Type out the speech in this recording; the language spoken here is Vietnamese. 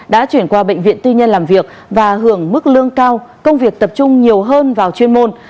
đã chuyển qua bệnh viện tư nhân làm việc và hưởng mức lương cao công việc tập trung nhiều hơn vào chuyên môn